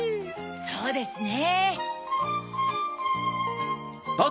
そうですね。